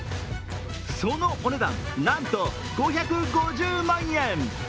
そのお値段、なんと５５０万円。